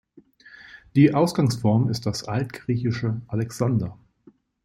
Die Ausgangsform ist das altgriechische Alexander.